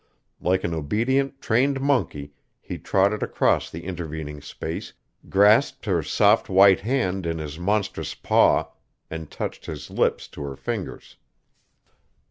Like an obedient trained monkey he trotted across the intervening space, grasped her soft white hand in his monstrous paw, and touched his lips to her fingers.